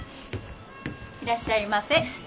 いらっしゃいませ。